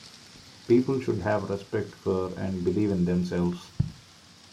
People should have respect for and believe in themselves.